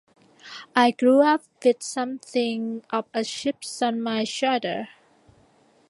I grew up with something of a chip on my shoulder.